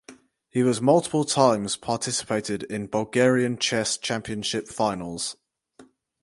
He was multiple times participated in Bulgarian Chess Championship finals.